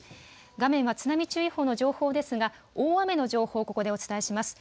画面は津波注意報の情報ですが大雨の情報、ここでお伝えします。